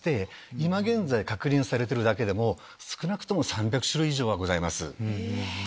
今現在確認されてるだけでも少なくとも３００種類以上はございます。